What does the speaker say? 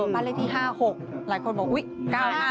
บ้านเลขที่๕๖หลายคนบอก๙๕๐ทีนี้๕๖